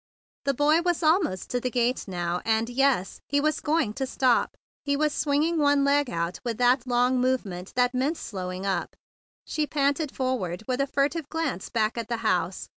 The boy was almost to the gate now, and—yes, he was going to stop. He was swinging one leg out with that long movement that meant slowing up. She panted forward with a furtive glance back at the house.